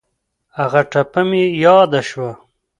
هغه ټپه مې یاد شوه.